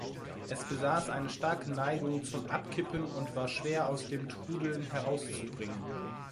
Es besaß eine starke Neigung zum Abkippen und war schwer aus dem Trudeln herauszubringen.